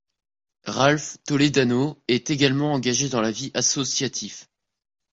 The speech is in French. Ralph Toledano est également engagé dans la vie associative.